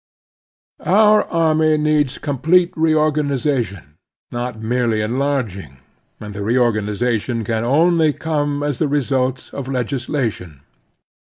Our army needs complete reorganization, — not merely enlarging, — ^and the reorganization can only come as the result of legislation.